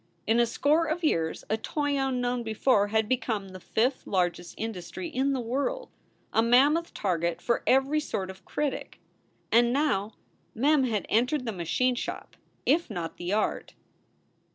In a score of years a toy unknown before had become the fifth largest industry in the world, a mammoth target for every sort of critic. And now Mem had entered the machine shop, if not the art.